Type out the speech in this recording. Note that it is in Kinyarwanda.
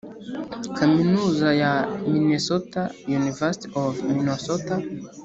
Kaminuza ya Minnesota University of Minnesota